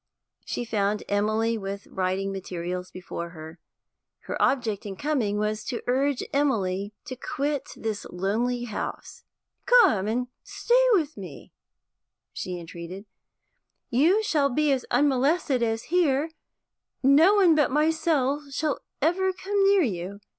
She found Emily with writing materials before her. Her object in coming was to urge Emily to quit this lonely house. 'Come and stay with me,' she entreated. 'You shall be as unmolested as here; no one but myself shall ever come near you.